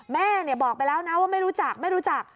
แม่บอกไปแล้วนะว่าไม่รู้จักไม่รู้จัก